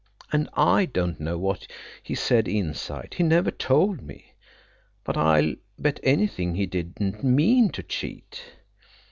And I don't know what he said inside. He never told me. But I'll bet anything he didn't mean to cheat."